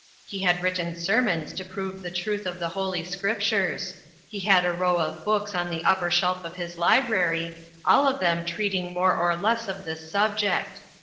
He had written sermons to prove the truth of the Holy Scriptures ; he had a row of books on the upper shelf of his library, all of them treating more or less of this sub ject.